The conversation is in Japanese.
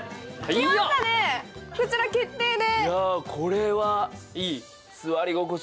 きましたね、こちら決定で？